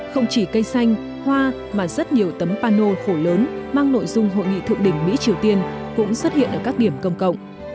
không chỉ cây xanh hoa mà rất nhiều tấm pano khổ lớn mang nội dung hội nghị thượng đỉnh mỹ triều tiên cũng xuất hiện ở các điểm công cộng